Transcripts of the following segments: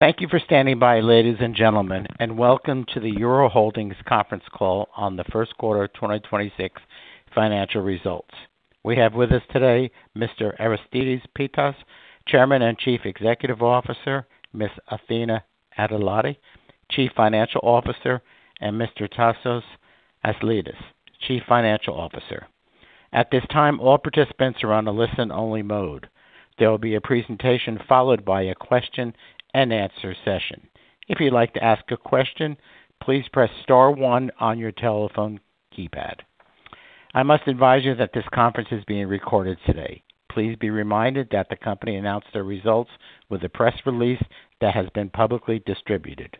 Thank you for standing by, ladies and gentlemen, and welcome to the Euroholdings conference call on the first quarter of 2026 financial results. We have with us today Mr. Aristides Pittas, Chairman and Chief Executive Officer, Ms. Athina Atalioti Chief Financial Officer, and Mr. Anastasios Aslidis, Chief Strategy Officer. At this time, all participants are on a listen-only mode. There will be a presentation followed by a question-and-answer session. If you'd like to ask a question, please press star one on your telephone keypad. I must advise you that this conference is being recorded today. Please be reminded that the company announced their results with a press release that has been publicly distributed.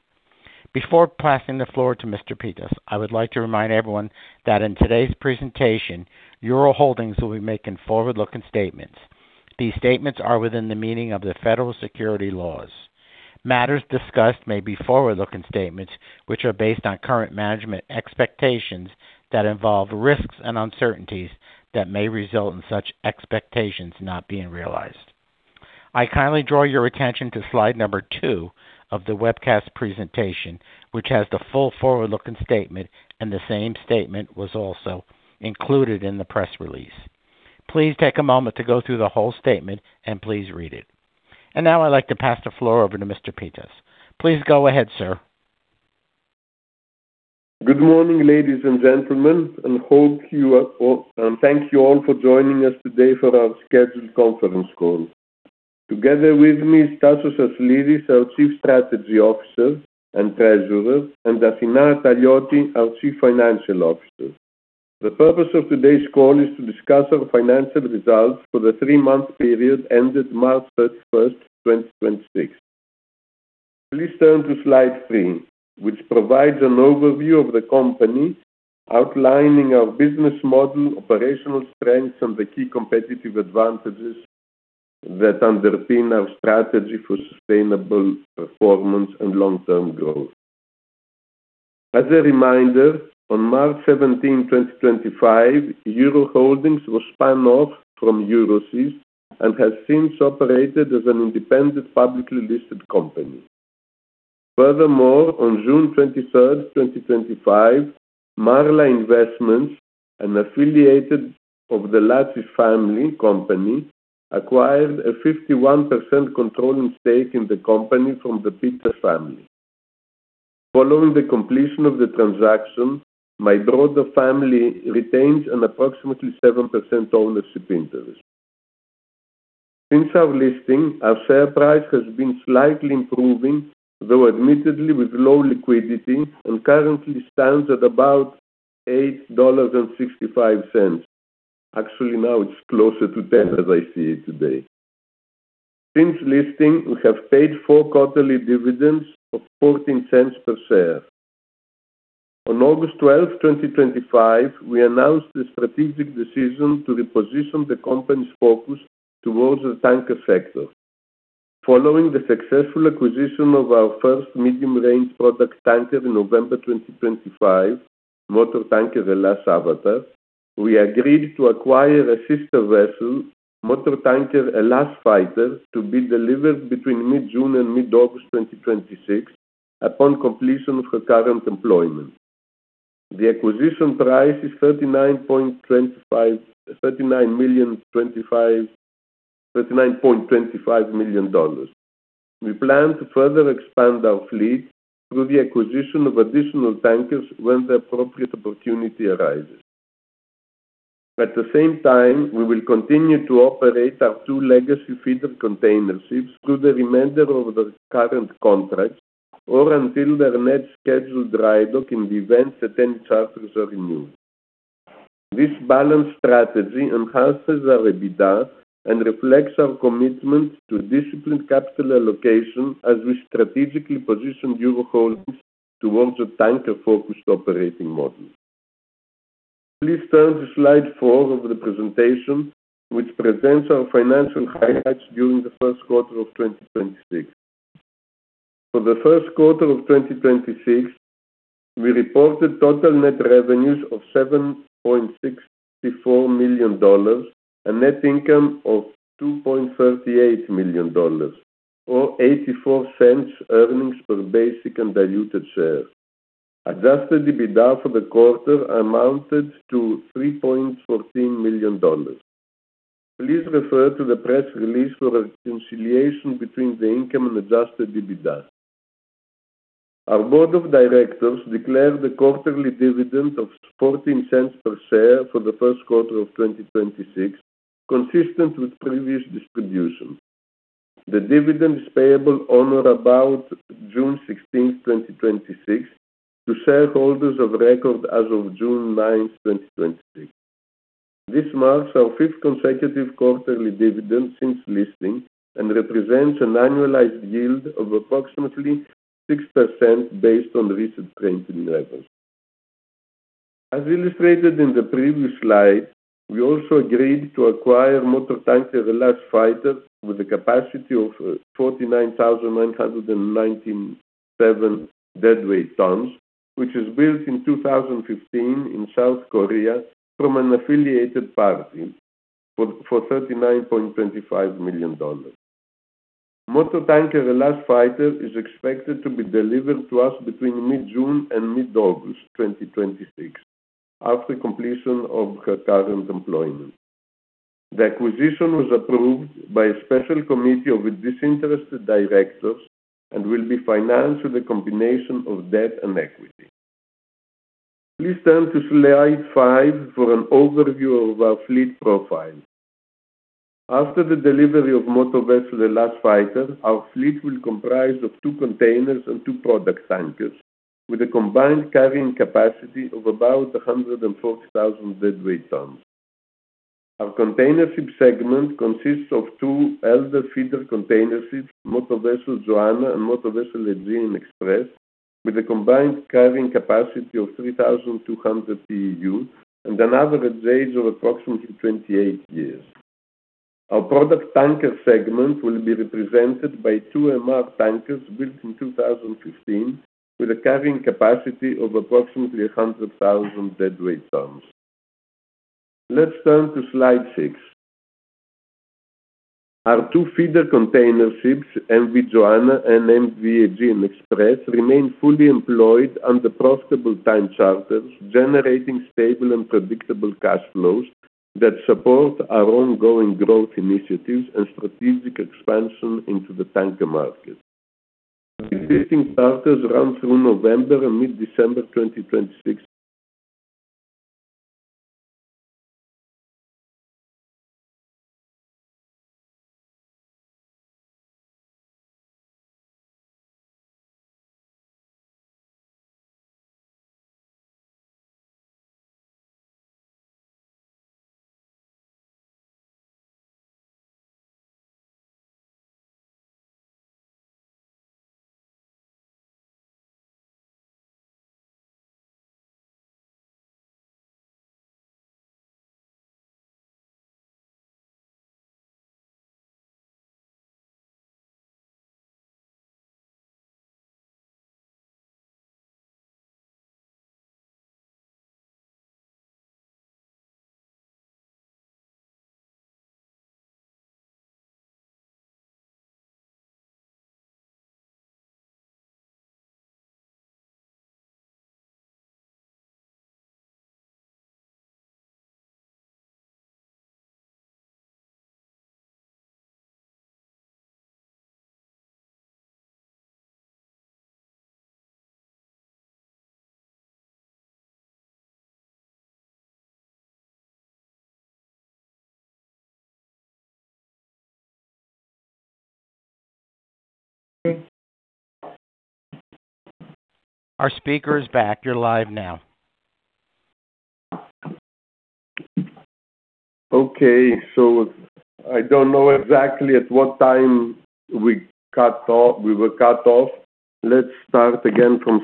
Before passing the floor to Mr. Pittas, I would like to remind everyone that in today's presentation, Euroholdings will be making forward-looking statements. These statements are within the meaning of the Federal Securities laws. Matters discussed may be forward-looking statements which are based on current management expectations that involve risks and uncertainties that may result in such expectations not being realized. I kindly draw your attention to slide number two of the webcast presentation, which has the full forward-looking statement, and the same statement was also included in the press release. Please take a moment to go through the whole statement and please read it. Now I'd like to pass the floor over to Mr. Pittas. Please go ahead, sir. Good morning, ladies and gentlemen, and thank you all for joining us today for our scheduled conference call. Together with me is Anastasios Aslidis, our Chief Strategy Officer and Treasurer, and Athina Atalioti, our Chief Financial Officer. The purpose of today's call is to discuss our financial results for the three-month period ended March 31st, 2026. Please turn to slide three, which provides an overview of the company outlining our business model, operational strengths, and the key competitive advantages that underpin our strategy for sustainable performance and long-term growth. As a reminder, on March 17, 2025, Euroholdings was spun off from Euroseas and has since operated as an independent, publicly listed company. Furthermore, on June 23rd, 2025, Marla Investments, an affiliated of the Latsis family company, acquired a 51% controlling stake in the company from the Pittas family. Following the completion of the transaction, my broader family retains an approximately 7% ownership interest. Since our listing, our share price has been slightly improving, though admittedly with low liquidity and currently stands at about $8.65. Now it's closer to $10 as I see it today. Since listing, we have paid four quarterly dividends of $0.14 per share. On August 12th, 2025, we announced the strategic decision to reposition the company's focus towards the tanker sector. Following the successful acquisition of our first medium-range product tanker in November 2025, motor tanker HELLAS AVATAR we agreed to acquire a sister vessel, motor HELLAS FIGHTER, to be delivered between mid-June and mid-August 2026 upon completion of her current employment. The acquisition price is $39.25 million. We plan to further expand our fleet through the acquisition of additional tankers when the appropriate opportunity arises. At the same time, we will continue to operate our two legacy feeder container ships through the remainder of their current contracts or until their next scheduled dry dock in the event that any charters are renewed. This balanced strategy enhances our EBITDA and reflects our commitment to disciplined capital allocation as we strategically position Euroholdings towards a tanker-focused operating model. Please turn to slide four of the presentation, which presents our financial highlights during the first quarter of 2026. For the first quarter of 2026, we reported total net revenues of $7.64 million, a net income of $2.38 million, or $0.84 earnings per basic and diluted share. Adjusted EBITDA for the quarter amounted to $3.14 million. Please refer to the press release for a reconciliation between the income and adjusted EBITDA. Our board of directors declared a quarterly dividend of $0.14 per share for the first quarter of 2026, consistent with previous distributions. The dividend is payable on or about June 16th, 2026 to shareholders of record as of June 9th, 2026. This marks our fifth consecutive quarterly dividend since listing and represents an annualized yield of approximately 6% based on recent trading levels. As illustrated in the previous slide, we also agreed to acquire motor HELLAS FIGHTER with a capacity of 49,997 deadweight tons, which was built in 2015 in South Korea from an affiliated party for $39.25 million. Motor tanker HELLAS FIGHTER is expected to be delivered to us between mid-June and mid-August 2026, after completion of her current employment. The acquisition was approved by a special committee of its disinterested directors and will be financed with a combination of debt and equity. Please turn to slide five for an overview of our fleet profile. After the delivery of motor vessel HELLAS FIGHTER, our fleet will comprise of two containers and two product tankers with a combined carrying capacity of about 140,000 deadweight tons. Our container ship segment consists of two older feeder container ships, motor vessel JOANNA and AEGEAN EXPRESS, with a combined carrying capacity of 3,200 TEU and an average age of approximately 28 years. Our product tanker segment will be represented by two MR tankers built in 2015 with a carrying capacity of approximately 100,000 deadweight tons. Let's turn to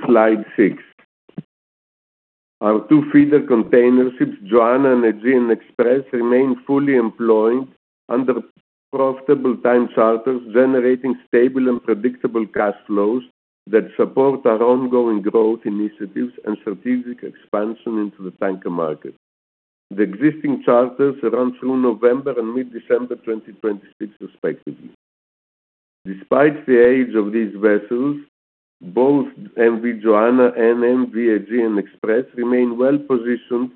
slide six. Our two feeder container ships, MV JOANNA and MV AEGEAN EXPRESS, remain fully employed under profitable time charters, generating stable and predictable cash flows that support our ongoing growth initiatives and strategic expansion into the tanker market. The existing charters run through November and mid-December 2026. Our speaker is back. You're live now. Okay. I don't know exactly at what time we were cut off. Let's start again from slide six. Our two feeder container ships, MV JOANNA and MV AEGEAN EXPRESS, remain fully employed under profitable time charters, generating stable and predictable cash flows that support our ongoing growth initiatives and strategic expansion into the tanker market. The existing charters run through November and mid-December 2026 respectively. Despite the age of these vessels, both MV JOANNA and MV AEGEAN EXPRESS remain well-positioned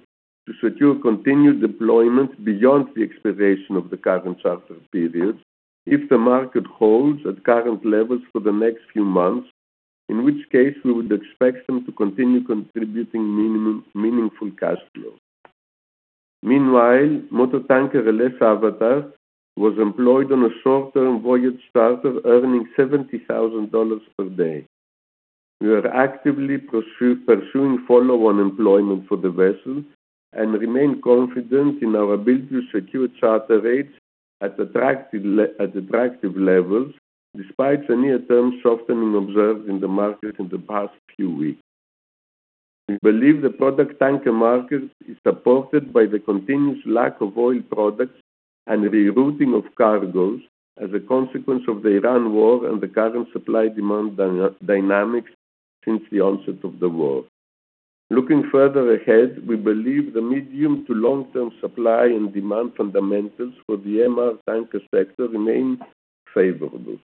to secure continued deployment beyond the expiration of the current charter periods if the market holds at current levels for the next few months, in which case we would expect them to continue contributing meaningful cash flow. Meanwhile, motor vessel HELLAS AVATAR was employed on a short-term voyage charter earning $70,000 per day. We are actively pursuing follow-on employment for the vessel and remain confident in our ability to secure charter rates at attractive levels despite a near-term softening observed in the market in the past few weeks. We believe the product tanker market is supported by the continuous lack of oil products and rerouting of cargoes as a consequence of the Iran war and the current supply-demand dynamics since the onset of the war. Looking further ahead, we believe the medium to long-term supply and demand fundamentals for the MR tanker sector remain favorable.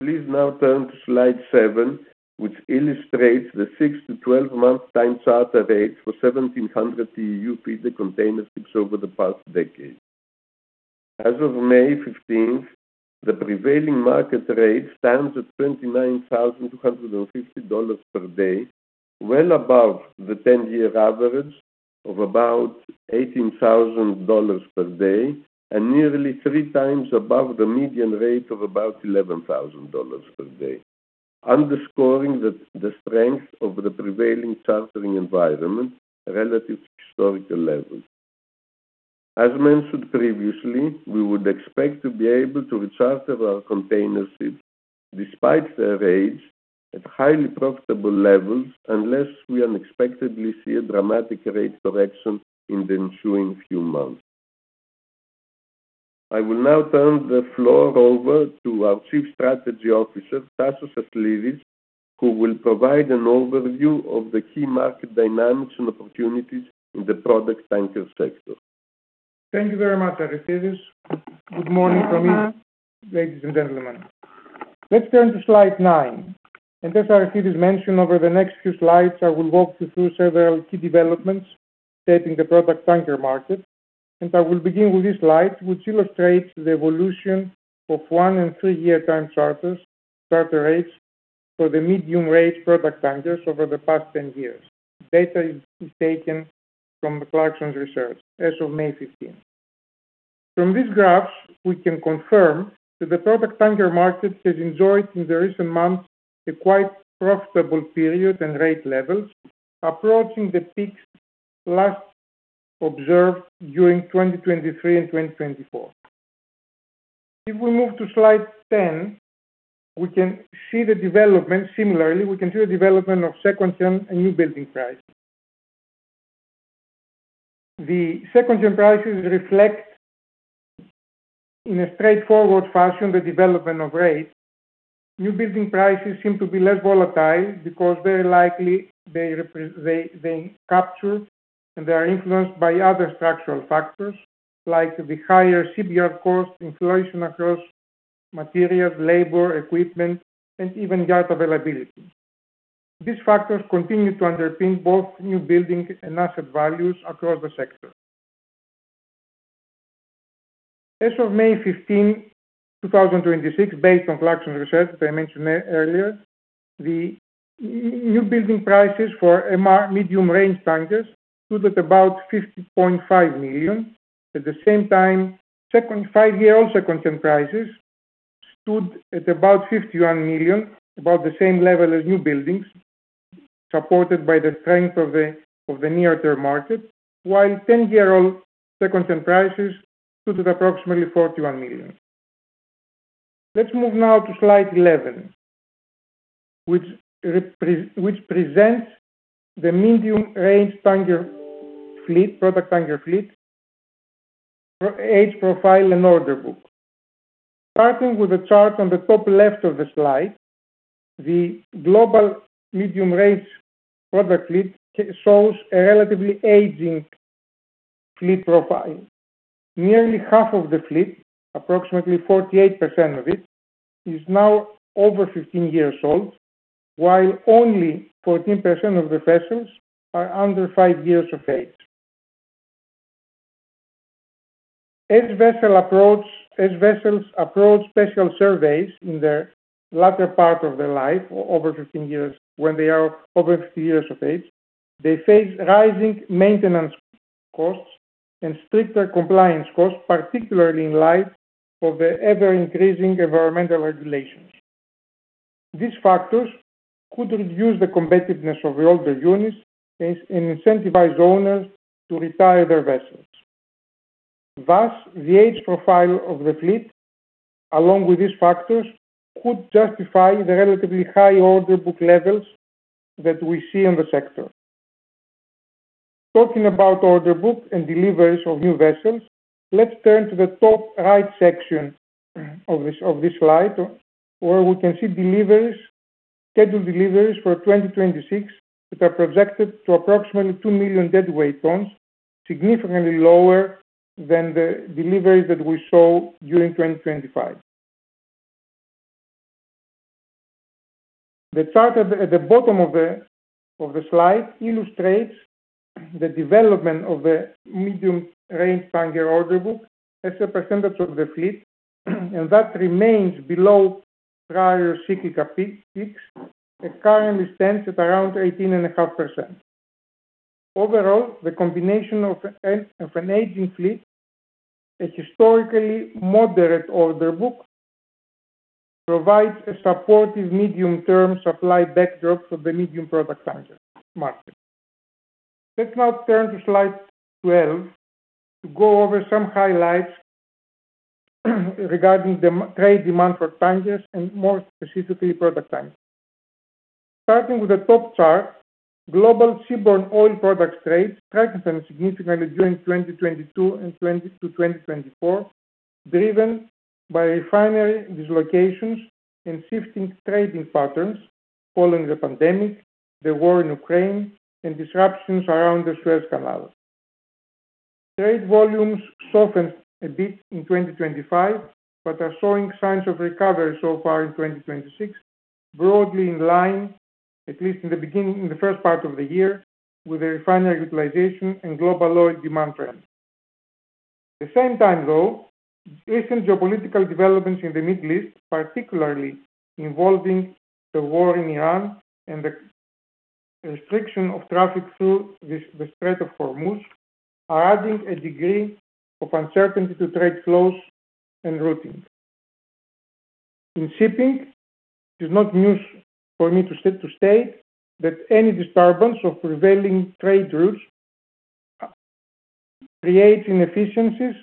Please now turn to slide seven, which illustrates the 6-12-month time charter rates for 1,700 TEU feeder container ships over the past decade. As of May 15th, the prevailing market rate stands at $29,250 per day, well above the 10-year average of about $18,000 per day, and nearly three times above the median rate of about $11,000 per day, underscoring the strength of the prevailing chartering environment relative to historical levels. As mentioned previously, we would expect to be able to re-charter our container ships despite their age at highly profitable levels, unless we unexpectedly see a dramatic rate correction in the ensuing few months. I will now turn the floor over to our Chief Strategy Officer, Anastasios Aslidis, who will provide an overview of the key market dynamics and opportunities in the product tanker sector. Thank you very much, Aristides. Good morning from me, ladies and gentlemen. Let's turn to slide nine. As Aristides mentioned, over the next few slides, I will walk you through several key developments shaping the product tanker market. I will begin with this slide, which illustrates the evolution of one and two-year time charter rates for the medium-range product tankers over the past 10 years. Data is taken from the Clarksons Research as of May 2015. From these graphs, we can confirm that the product tanker market has enjoyed in the recent months a quite profitable period and rate levels approaching the peaks last observed during 2023 and 2024. If we move to slide 10, similarly, we can see the development of secondhand and new building price. The secondhand prices reflect in a straightforward fashion the development of rates. New building prices seem to be less volatile because very likely they capture and they are influenced by other structural factors like the higher shipyard costs, inflation across materials, labor, equipment, and even yard availability. These factors continue to underpin both new building and asset values across the sector. As of May 15, 2026, based on Clarksons Research, as I mentioned earlier, the new building prices for medium-range tankers stood at about $50.5 million. At the same time, five-year-old secondhand prices stood at about $51 million, about the same level as new buildings, supported by the strength of the near-term market, while 10-year-old secondhand prices stood at approximately $41 million. Let's move now to slide 11, which presents the medium-range product tanker fleet, age profile, and order book. Starting with the chart on the top left of the slide, the global medium-range product fleet shows a relatively aging fleet profile. Nearly half of the fleet, approximately 48% of it, is now over 15 years old, while only 14% of the vessels are under five years of age. As vessels approach special surveys in the latter part of their life, when they are over 15 years of age, they face rising maintenance costs and stricter compliance costs, particularly in light of the ever-increasing environmental regulations. These factors could reduce the competitiveness of the older units and incentivize the owners to retire their vessels. Thus, the age profile of the fleet, along with these factors, could justify the relatively high order book levels that we see in the sector. Talking about order book and deliveries of new vessels, let's turn to the top right section of this slide, where we can see scheduled deliveries for 2026 that are projected to approximately 2,000,000 deadweight tons, significantly lower than the deliveries that we saw during 2025. The chart at the bottom of the slide illustrates the development of the medium-range tanker order book as a percentage of the fleet, and that remains below prior cyclical peaks and currently stands at around 18.5%. Overall, the combination of an aging fleet, a historically moderate order book, provides a supportive medium-term supply backdrop for the medium product tanker market. Let's now turn to slide 12 to go over some highlights regarding the trade demand for tankers and more specifically, product tankers. Starting with the top chart, global seaborne oil product trades strengthened significantly during 2022-2024, driven by refinery dislocations and shifting trading patterns following the pandemic, the war in Ukraine, and disruptions around the Suez Canal. Trade volumes softened a bit in 2025, but are showing signs of recovery so far in 2026, broadly in line, at least in the first part of the year, with the refinery utilization and global oil demand trends. At the same time, though, recent geopolitical developments in the Middle East, particularly involving the war in Iran and the restriction of traffic through the Strait of Hormuz, are adding a degree of uncertainty to trade flows and routing. In shipping, it is not news for me to state that any disturbance of prevailing trade routes creates inefficiencies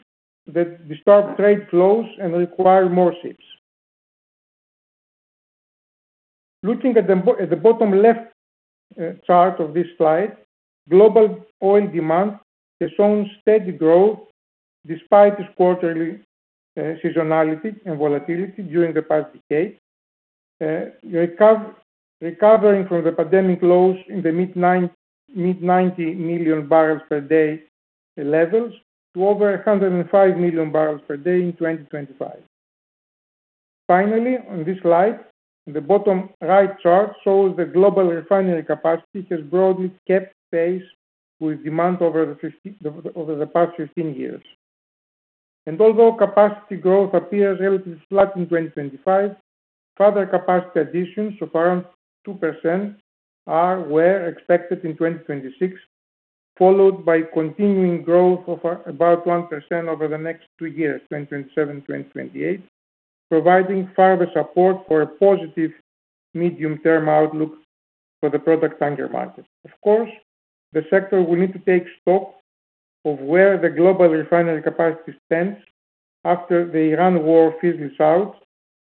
that disturb trade flows and require more ships. Looking at the bottom left chart of this slide, global oil demand has shown steady growth despite its quarterly seasonality and volatility during the past decade, recovering from the pandemic lows in the mid-90,000,000 bpd levels to over 105,000,000 bpd in 2025. Finally, on this slide, the bottom right chart shows the global refinery capacity has broadly kept pace with demand over the past 15 years. Although capacity growth appears relatively flat in 2025, further capacity additions of around 2% were expected in 2026, followed by continuing growth of about 1% over the next two years, 2027, 2028, providing further support for a positive medium-term outlook for the product tanker market. Of course, the sector will need to take stock of where the global refinery capacity stands after the Iran war fizzles out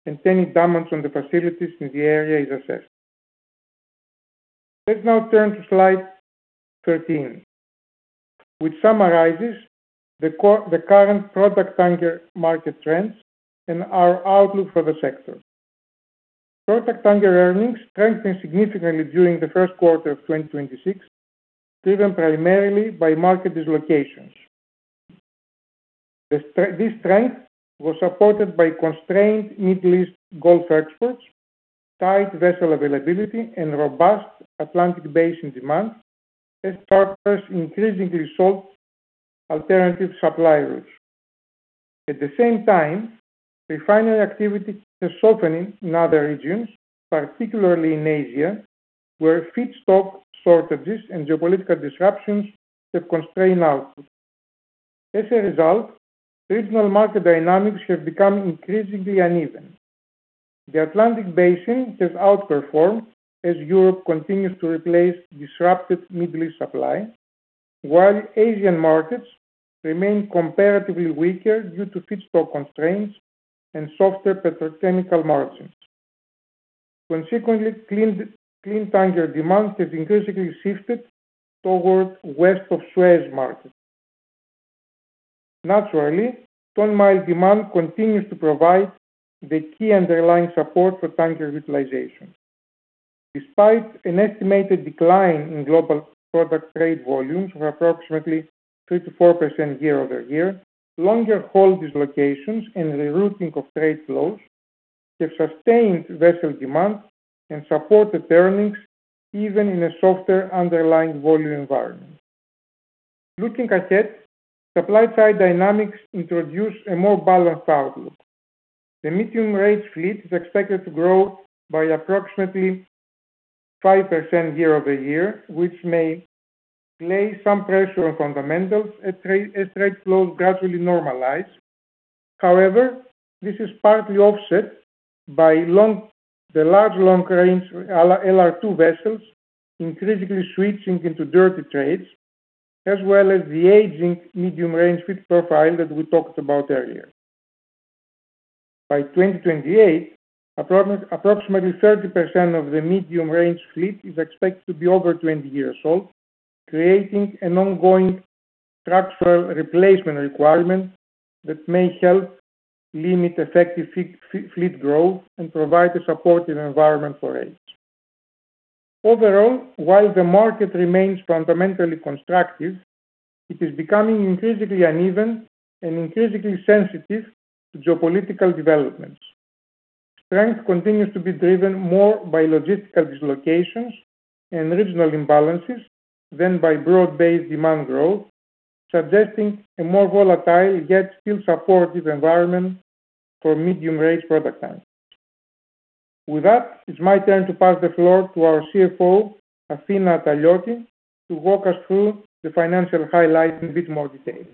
and any damage on the facilities in the area is assessed. Let's now turn to slide 13, which summarizes the current product tanker market trends and our outlook for the sector. Product tanker earnings strengthened significantly during the first quarter of 2026, driven primarily by market dislocations. This strength was supported by constrained Middle East Gulf exports, tight vessel availability, and robust Atlantic basin demand as charters increasingly sought alternative supply routes. At the same time, refinery activity has softened in other regions, particularly in Asia, where feedstock shortages and geopolitical disruptions have constrained output. As a result, regional market dynamics have become increasingly uneven. The Atlantic basin has outperformed as Europe continues to replace disrupted Middle East supply, while Asian markets remain comparatively weaker due to feedstock constraints and softer petrochemical margins. Consequently, clean tanker demand has increasingly shifted toward West of Suez markets. Naturally, ton-mile demand continues to provide the key underlying support for tanker utilization. Despite an estimated decline in global product trade volumes of approximately 3%-4% year-over-year, longer haul dislocations and rerouting of trade flows have sustained vessel demand and supported earnings even in a softer underlying volume environment. Looking ahead, supply-side dynamics introduce a more balanced outlook. The medium-range fleet is expected to grow by approximately 5% year-over-year, which may lay some pressure on fundamentals as trade flows gradually normalize. However, this is partly offset by the large long-range LR2 vessels increasingly switching into dirty trades, as well as the aging medium-range fleet profile that we talked about earlier. By 2028, approximately 30% of the medium-range fleet is expected to be over 20 years old, creating an ongoing structural replacement requirement that may help limit effective fleet growth and provide a supportive environment for rates. Overall, while the market remains fundamentally constructive, it is becoming increasingly uneven and increasingly sensitive to geopolitical developments. Strength continues to be driven more by logistical dislocations and regional imbalances than by broad-based demand growth, suggesting a more volatile yet still supportive environment for medium-range product tankers. With that, it's my turn to pass the floor to our CFO, Athina Atalioti, to walk us through the financial highlights in a bit more detail.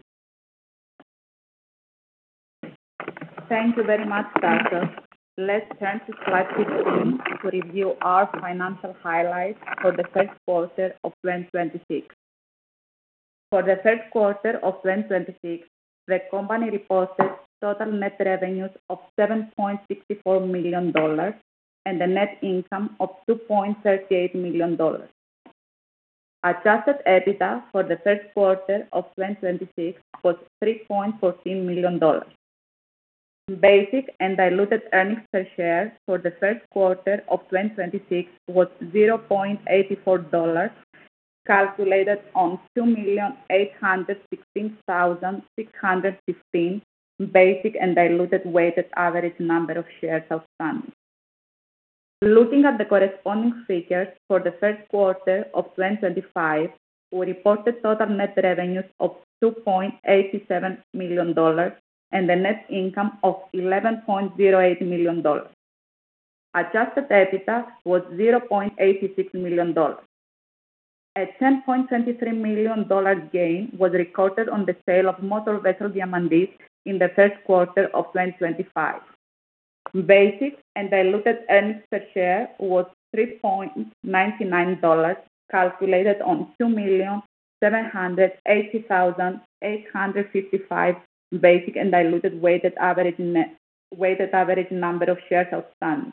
Thank you very much, Tassos. Let's turn to slide 15 to review our financial highlights for the first quarter of 2026. For the first quarter of 2026, the company reported total net revenues of $7.64 million and a net income of $2.38 million. Adjusted EBITDA for the first quarter of 2026 was $3.14 million. Basic and diluted earnings per share for the first quarter of 2026 was $0.84, calculated on 2,816,615 basic and diluted weighted average number of shares outstanding. Looking at the corresponding figures for the first quarter of 2025, we reported total net revenues of $2.87 million and a net income of $11.08 million. Adjusted EBITDA was $0.86 million. A $10.23 million gain was recorded on the sale of motor vessel Diamantis P in the first quarter of 2025. Basic and diluted earnings per share was $3.99, calculated on 2,780,855 basic and diluted weighted average number of shares outstanding.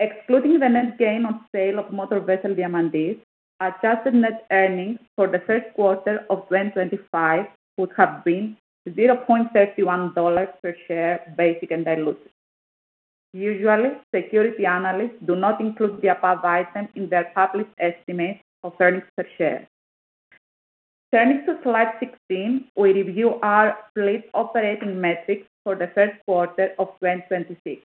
Excluding the net gain on sale of motor vessel Diamantis P, adjusted net earnings for Q1 2025 would have been $0.31 per share basic and diluted. Usually, security analysts do not include the above item in their published estimates of earnings per share. Turning to slide 16, we review our fleet operating metrics for Q1 2026.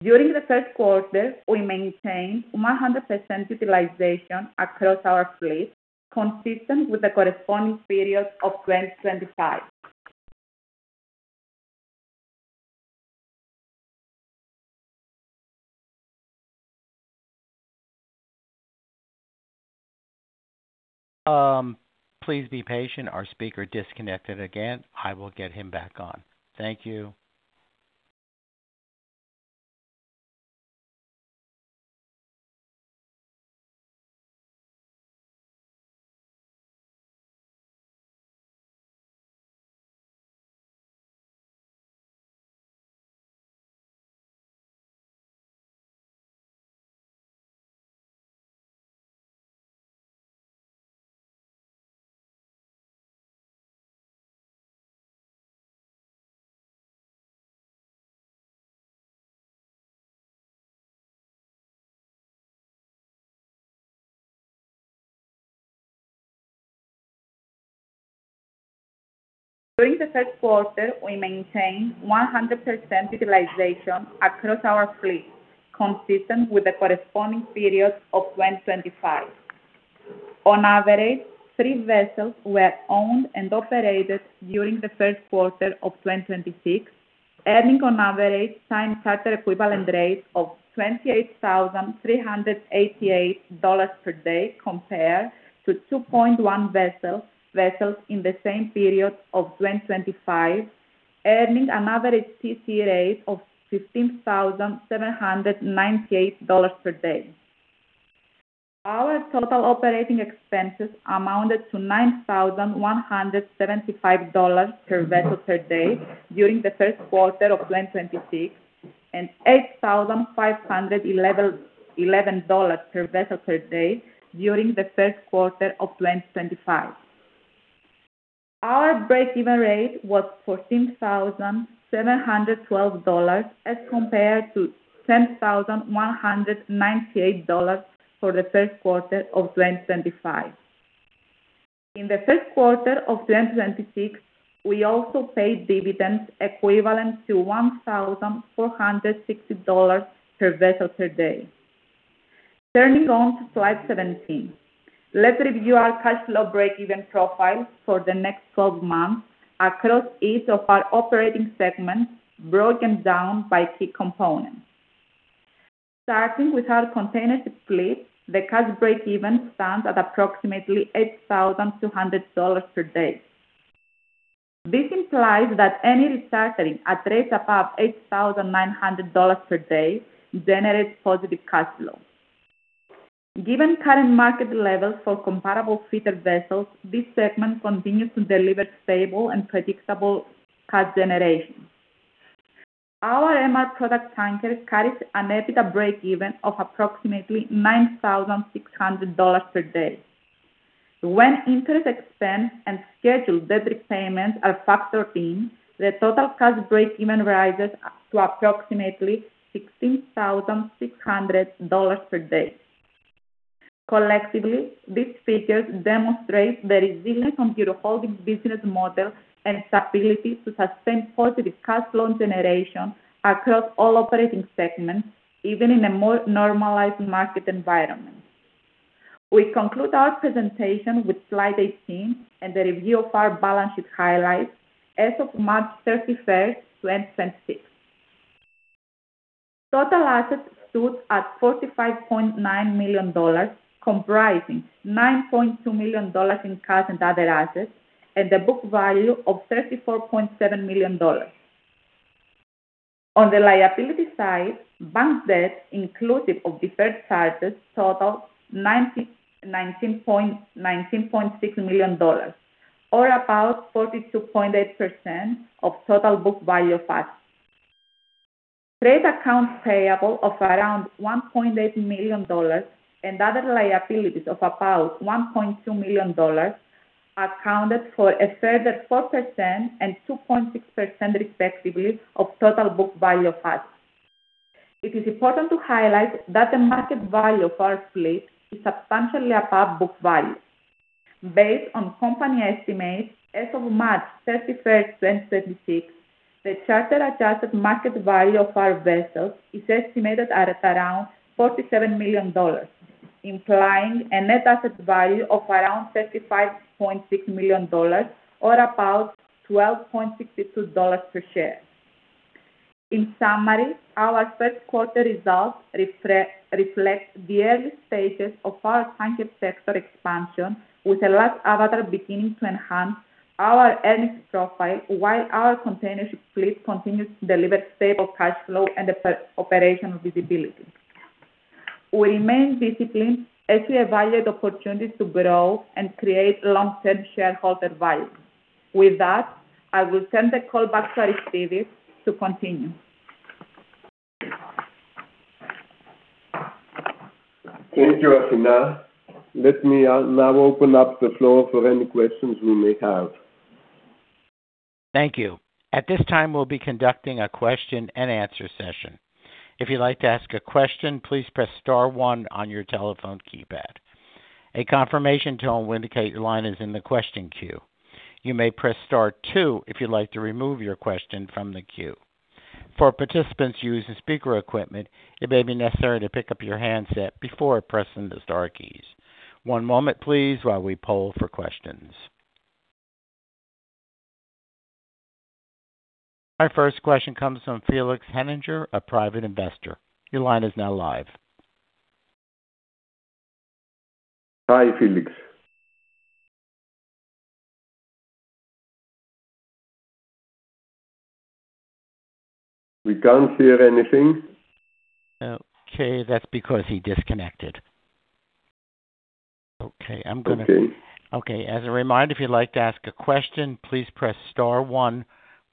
During the first quarter, we maintained 100% utilization across our fleet, consistent with the corresponding period of 2025. Please be patient. Our speaker disconnected again. I will get him back on. Thank you. During the first quarter, we maintained 100% utilization across our fleet, consistent with the corresponding period of 2025. On average, three vessels were owned and operated during the first quarter of 2026, earning on average time charter equivalent rate of $28,388 per day compared to 2.1 vessels in the same period of 2025, earning an average TC rate of $15,798 per day. Our total operating expenses amounted to $9,175 per vessel per day during the first quarter of 2026 and $8,511 per vessel per day during the first quarter of 2025. Our break-even rate was $14,712 as compared to $10,198 for the first quarter of 2025. In the first quarter of 2026, we also paid dividends equivalent to $1,460 per vessel per day. Turning on to slide 17. Let's review our cash flow break-even profile for the next 12 months across each of our operating segments, broken down by key components. Starting with our containership fleet, the cash break even stands at approximately $8,200 per day. This implies that any chartering at rates above $8,900 per day generates positive cash flow. Given current market levels for comparable fitted vessels, this segment continues to deliver stable and predictable cash generation. Our MR product tankers carries an EBITDA break even of approximately $9,600 per day. When interest expense and scheduled debt repayments are factored in, the total cash break even rises to approximately $16,600 per day. Collectively, these figures demonstrate the resilient Euroholdings business model and its ability to sustain positive cash flow generation across all operating segments, even in a more normalized market environment. We conclude our presentation with slide 18 and the review of our balance sheet highlights as of March 31st, 2026. Total assets stood at $45.9 million, comprising $9.2 million in cash and other assets at a book value of $34.7 million. On the liability side, bank debt inclusive of deferred charges totaled $19.6 million, or about 42.8% of total book value of assets. Trade accounts payable of around $1.8 million and other liabilities of about $1.2 million accounted for a further 4% and 2.6%, respectively, of total book value of assets. It is important to highlight that the market value of our fleet is substantially above book value. Based on company estimates as of March 31st, 2026, the charter attached market value of our vessels is estimated at around $47 million, implying a net asset value of around $35.6 million or about $12.62 per share. In summary, our first quarter results reflect the early stages of our tanker sector expansion, with HELLAS AVATAR beginning to enhance our earnings profile while our containership fleet continues to deliver stable cash flow and operational visibility. We remain disciplined as we evaluate opportunities to grow and create long-term shareholder value. With that, I will send the call back to Aristides to continue. Thank you, Athina. Let me now open up the floor for any questions we may have. Thank you. At this time, we'll be conducting a question and answer session. If you'd like to ask a question, please press star one on your telephone keypad. A confirmation tone will indicate your line is in the question queue. You may press star two if you'd like to remove your question from the queue. For participants using speaker equipment, it is necessary to pick up your handset before pressing the star key. One moment, please, while we poll for questions. Our first question comes from Felix. Our first question comes from Felix Henninger, a private investor. Your line is now live. Hi, Felix. We can't hear anything. Okay, that's because he disconnected. Okay. Okay. As a reminder, if you'd like to ask a question, please press star one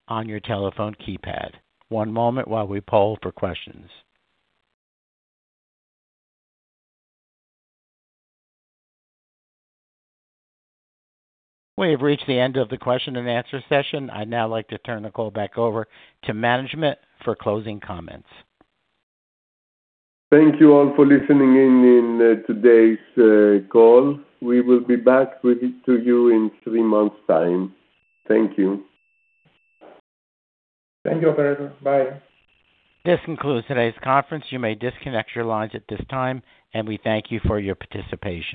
on your telephone keypad. One moment while we poll for questions. We have reached the end of the question and answer session. I'd now like to turn the call back over to management for closing comments. Thank you all for listening in today's call. We will be back to you in three months' time. Thank you. Thank you, operator. Bye. This concludes today's conference. You may disconnect your lines at this time, and we thank you for your participation.